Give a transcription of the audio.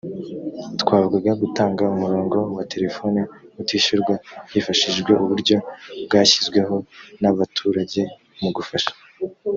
twavuga gutanga umurongo wa telefoni utishyurwa hifashishijwe uburyo bwashyizweho n abaturage mu gufasha